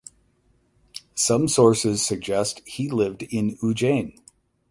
Some sources suggest he lived in Ujjain.